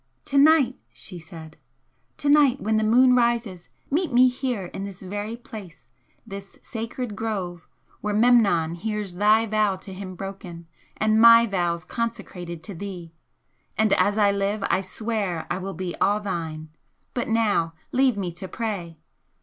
"To night!" she said "To night, when the moon rises, meet me here in this very place, this sacred grove where Memnon hears thy vows to him broken, and my vows consecrated to thee! and as I live I swear I will be all thine! But now leave me to pray!"